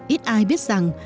ít ai biết rằng